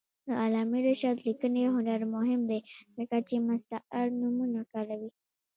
د علامه رشاد لیکنی هنر مهم دی ځکه چې مستعار نومونه کاروي.